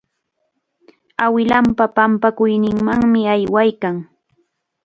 Awilanpa pampakuyninmanmi aywaykan.